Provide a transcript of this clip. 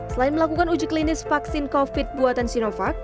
selain melakukan uji klinis vaksin covid buatan sinovac